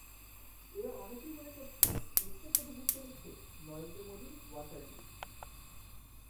এবার অনেকেই মনে করছেন, উত্তর প্রদেশ হতে চলেছে নরেন্দ্র মোদির ওয়াটারলু।